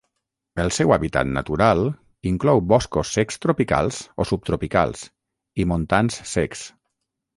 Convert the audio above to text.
El seu hàbitat natural inclou boscos secs tropicals o subtropicals i montans secs.